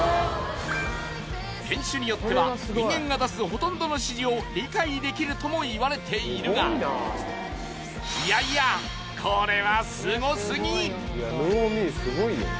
犬種によっては人間が出すほとんどの指示を理解できるとも言われているがいやいやこれはすごすぎ！